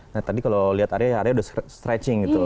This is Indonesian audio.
nah tadi kalau lihat aria aria udah stretching gitu